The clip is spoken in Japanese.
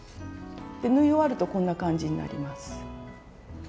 縫い終わるとこんな感じになります。